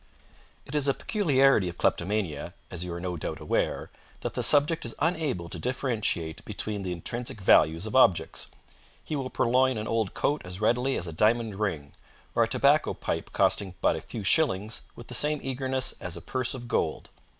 It is a peculiarity of kleptomania, as you are no doubt aware, that the subject is unable to differentiate between the intrinsic values of objects. He will purloin an old coat as readily as a diamond ring, or a tobacco pipe costing but a few shillings with the same eagerness as a purse of gold.